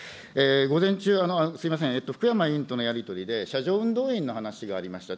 午前中、すみません、福山委員とのやり取りで、車上運動員の話がありました。